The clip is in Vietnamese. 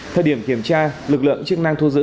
thời điểm kiểm tra lực lượng chức năng thu giữ